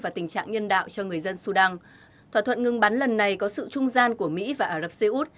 thỏa thuận ngừng bắn lần này có sự trung gian của mỹ và ả rập xê út